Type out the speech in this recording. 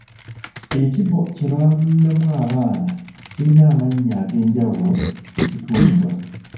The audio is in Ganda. Ekibbo kye baaluliramu abaana kirina amannya ag'enjawulo ge kituumibwa.